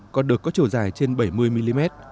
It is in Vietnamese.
còn được có chiều dài trên bảy mươi mm